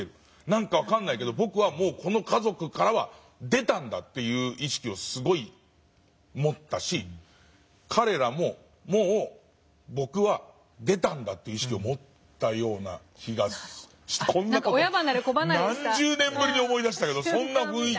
何か分かんないけど僕はもうこの家族からは出たんだという意識をすごい持ったし彼らももう僕は出たんだという意識を持ったような気がして何十年ぶりに思い出したけど僕の中ではそんな感じです。